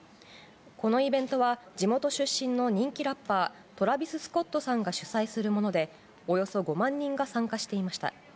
このイベントは地元出身の人気ラッパートラビス・スコットさんが主催するものでおよそ５万人が参加していました。